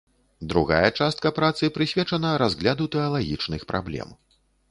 Другая частка працы прысвечана разгляду тэалагічных праблем.